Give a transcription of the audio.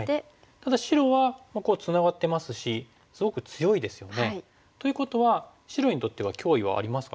ただ白はツナがってますしすごく強いですよね。ということは白にとっては脅威はありますかこれ。